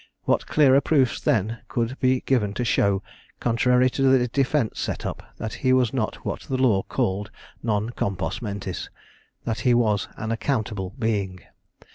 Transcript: What clearer proofs, then, could be given to show, contrary to the defence set up, that he was not what the law called non compos mentis that he was an accountable being?